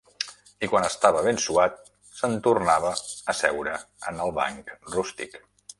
I quan estava ben suat s'entornava a seure en el banc rústic